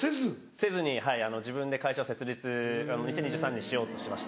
せずに自分で会社を設立２０２３年しようとしてまして。